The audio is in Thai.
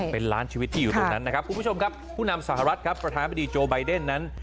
เป็นล้านชีวิตที่อยู่ตรงนั้นนะครับคุณผู้ชมครับผู้นำสหรัฐครับประธานบดีโจไบเดนนั้น